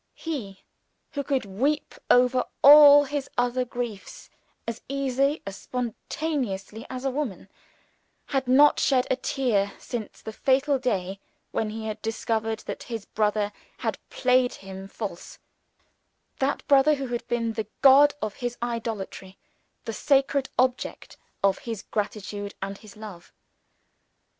He, who could weep over all his other griefs as easily and as spontaneously as a woman, had not shed a tear since the fatal day when he had discovered that his brother had played him false that brother who had been the god of his idolatry, the sacred object of his gratitude and his love!